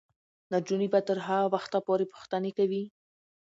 نجونې به تر هغه وخته پورې پوښتنې کوي.